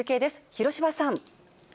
広芝さん。